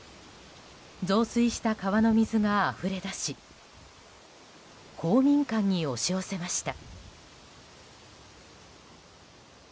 増水した川の水があふれ出し公民館に押し寄せました。